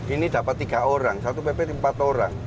ini dapat tiga orang satu pp empat orang